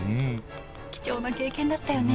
貴重な経験だったよね！